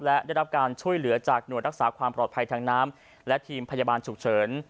และได้รับการช่วยเหลือจากหน่วยรักษาความปลอดภัยทางน้ำและทีมพยาบาลฉุกเฉิน